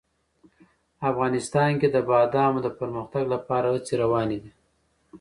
افغانستان کې د بادامو د پرمختګ لپاره هڅې روانې دي.